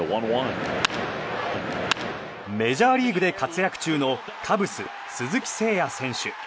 メジャーリーグで活躍中のカブス、鈴木誠也選手。